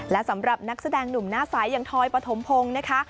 และสำหรับนักแสดงหนุ่มหน้าใสอย่างทอยปฐมพงศ์นะคะ